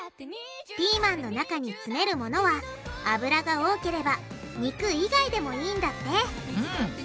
ピーマンの中に詰めるものはアブラが多ければ肉以外でもいいんだって。